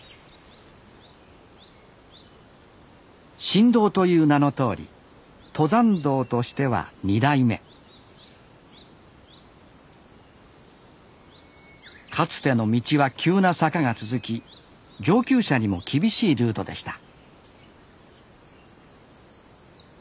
新道という名のとおり登山道としては２代目かつての道は急な坂が続き上級者にも厳しいルートでした